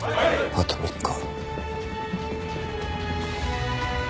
あと３日。